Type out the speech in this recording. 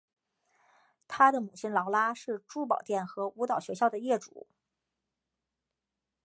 她的母亲劳拉是珠宝店和舞蹈学校的业主。